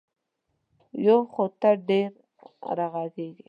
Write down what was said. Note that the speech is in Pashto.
یو خو ته ډېره غږېږې.